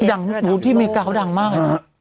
ดังรูปที่อเมริกาเขาดังมาก